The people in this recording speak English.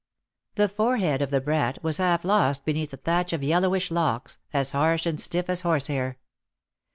The forehead of the brat was half lost beneath a thatch of yellowish locks, as harsh and stiff as horse hair.